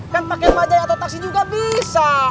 kan pakai bajai atau taksi juga bisa